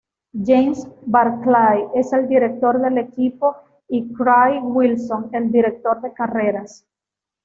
James Barclay es el director del equipo y Craig Wilson el director de carreras.